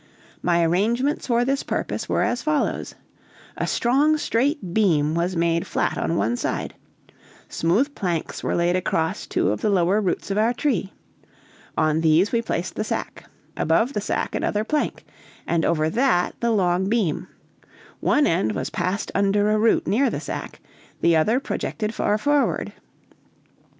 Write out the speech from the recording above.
My arrangements for this purpose were as follows: A strong, straight beam was made flat on one side, smooth planks were laid across two of the lower roots of our tree; on these we placed the sack, above the sack another plank, and over that the long beam; one end was passed under a root near the sack, the other projected far forward.